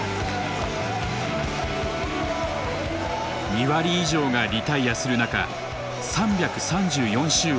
２割以上がリタイアする中３３４周を完走。